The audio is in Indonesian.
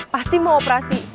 pasti mau operasi